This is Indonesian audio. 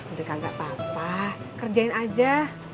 udah kak enggak apa apa kerjain aja